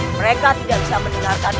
mereka tidak bisa mendengarkan